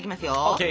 ＯＫ。